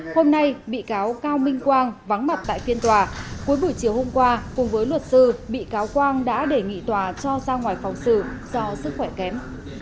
hôm nay bị cáo cao minh quang vắng mặt tại phiên tòa cuối buổi chiều hôm qua cùng với luật sư bị cáo quang đã đề nghị tòa cho ra ngoài phòng xử do sức khỏe kém